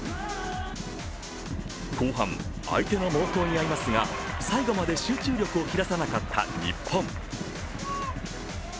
後半、相手の猛攻に遭いますが最後まで集中力を切らさなかった日本。